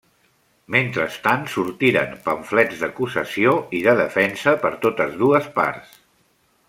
Mentrestant, sortiren pamflets d'acusació i de defensa per totes dues parts.